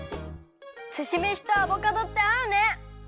すしめしとアボカドってあうね！